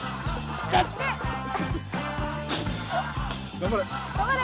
頑張れ！